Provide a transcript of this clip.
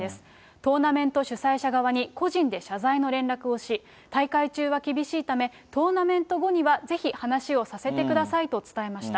トーナメント主催者側に個人で謝罪の連絡をし、大会中は厳しいため、トーナメント後にはぜひ話をさせてくださいと伝えました。